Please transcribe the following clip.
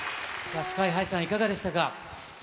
さあ、ＳＫＹーＨＩさん、いかがでしたか？